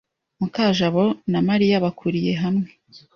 Mukajabo na Mariya bakuriye hamwe.